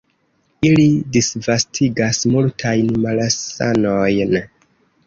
Ili disvastigas multajn malsanojn.